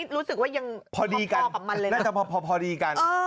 รู้สึกว่ายังพอปะกับมันเลยนะมือนพอดีกันน่าจะพอดีกัน